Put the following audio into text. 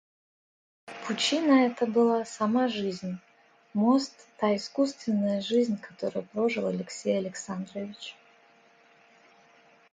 Пучина эта была — сама жизнь, мост — та искусственная жизнь, которую прожил Алексей Александрович.